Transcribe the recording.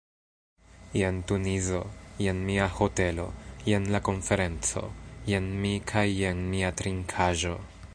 Jen Tunizo, jen mia hotelo, jen la konferenco, jen mi kaj jen mia trinkaĵo.